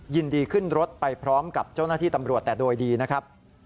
ยินดีขึ้นรถไปพร้อมกับเจ้าหน้าที่ตำรวจแต่โดยดีนะครับ